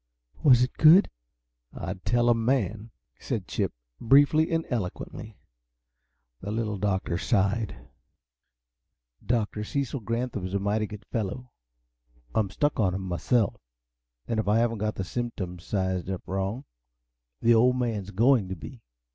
"Was it good?" "I'd tell a man!" said Chip, briefly and eloquently. The Little Doctor sighed. "Dr. Cecil Granthum's a mighty good fellow I'm stuck on him, myself and if I haven't got the symptoms sized up wrong, the Old Man's GOING to be."